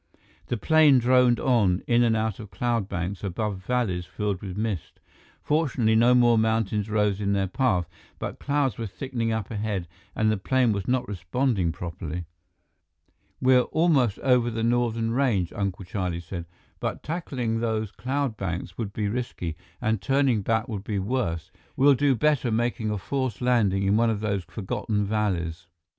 The plane droned on, in and out of cloud banks, above valleys filled with mist. Fortunately, no more mountains rose into their path, but clouds were thickening up ahead and the plane was not responding properly. "We're almost over the northern range," Uncle Charlie said. "But tackling those cloud banks would be risky, and turning back would be worse. We'll do better making a forced landing in one of those forgotten valleys."